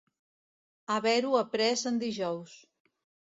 Haver-ho après en dijous.